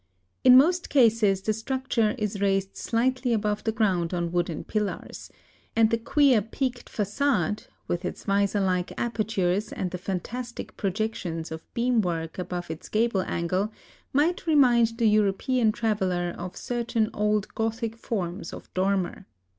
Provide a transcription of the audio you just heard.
In most cases the structure is raised slightly above the ground on wooden pillars ; and the queer peaked fagade, with its visor like aper tures and the fantastic projections of beam work above its gable angle, might remind the European traveler of certain old Gothic forms of dormer.